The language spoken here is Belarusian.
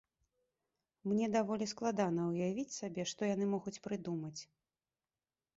Мне даволі складана ўявіць сабе, што яны могуць прыдумаць.